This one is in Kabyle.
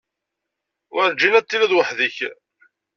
Werǧin ad tiliḍ weḥd-k.